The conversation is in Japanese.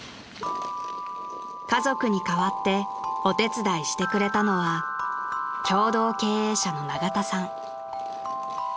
［家族に代わってお手伝いしてくれたのは共同経営者の永田さん］